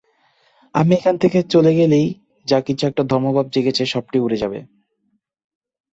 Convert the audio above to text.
আমি এখান থেকে চলে গেলেই যা কিছু একটু ধর্মভাব জেগেছে, সবটাই উড়ে যাবে।